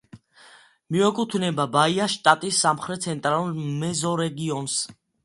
მიეკუთვნება ბაიას შტატის სამხრეთ-ცენტრალურ მეზორეგიონს.